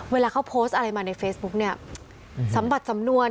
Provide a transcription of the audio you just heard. เวลาเขาโพสต์อะไรมาในเฟซบุ๊กเนี่ยสัมผัสสำนวน